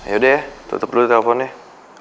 yaudah ya tutup dulu teleponnya